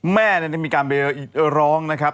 แม่มีการไปอิเธอร้องนะครับ